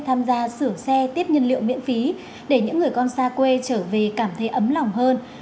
tham gia sửa xe tiếp nhiên liệu miễn phí để những người con xa quê trở về cảm thấy ấm lòng hơn